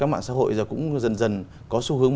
mạng xã hội bây giờ cũng dần dần có xu hướng